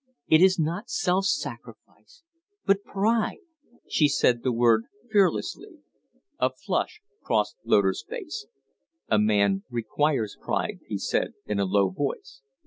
It is not self sacrifice but pride!" She said the word fearlessly. A flush crossed Loder's face. "A man requires pride," he said in a low voice.